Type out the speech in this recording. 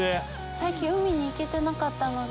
最近海に行けてなかったので。